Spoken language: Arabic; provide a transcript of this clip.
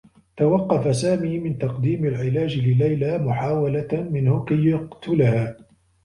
توقّف سامي من تقديم العلاج لليلى محاولة منه كي يقتلها.